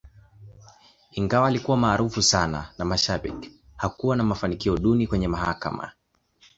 Ingawa alikuwa maarufu sana na mashabiki, hakuwa na mafanikio duni kwenye mahakama.